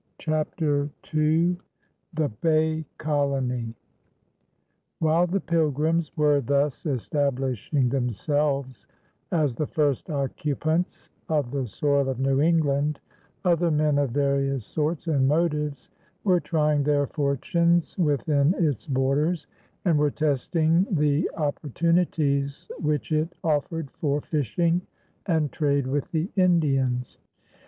CHAPTER II THE BAY COLONY While the Pilgrims were thus establishing themselves as the first occupants of the soil of New England, other men of various sorts and motives were trying their fortunes within its borders and were testing the opportunities which it offered for fishing and trade with the Indians.